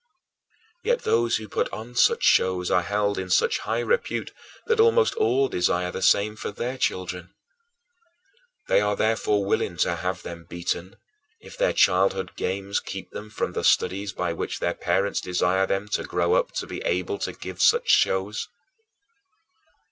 Yet those who put on such shows are held in such high repute that almost all desire the same for their children. They are therefore willing to have them beaten, if their childhood games keep them from the studies by which their parents desire them to grow up to be able to give such shows.